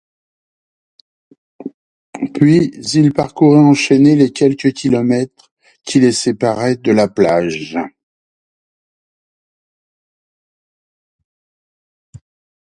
Puis, ils parcouraient enchaînés les quelques kilomètres qui les séparaient de la plage.